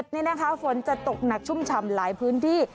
นี่นะคะฝนจะตกหนักชุ่มฉ่ำหลายพื้นที่